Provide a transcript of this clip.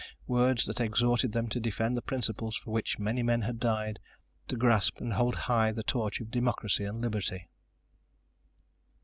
Words that exhorted them to defend the principles for which many men had died, to grasp and hold high the torch of democracy and liberty.